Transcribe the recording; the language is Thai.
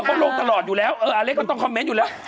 เขาลงตลอดอยู่แล้วเอออาเล็กก็ต้องคอมเมนต์อยู่แล้ว